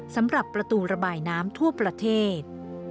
สำหรับประตูระบายน้ำทั่วประเทศ